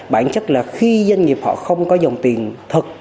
bản chất là khi doanh nghiệp họ không có dòng tiền thật